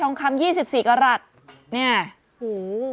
ทองคำยี่สิบสี่กรัสเนี้ยโห